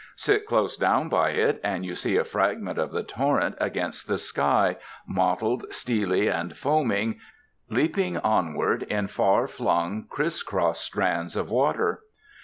Sit close down by it, and you see a fragment of the torrent against the sky, mottled, steely, and foaming, leaping onward in far flung criss cross strands of water.